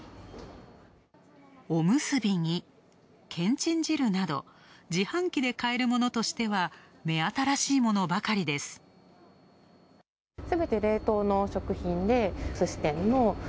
おむすびに、けんちん汁など、自販機で買えるものとしては目新しいものばかりです。